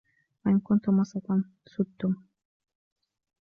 وَإِنْ كُنْتُمْ وَسَطًا سُدْتُمْ